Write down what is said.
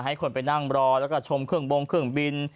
ให้คนไปนั่งรอแล้วก็ชมเครื่องบงเครื่องบิน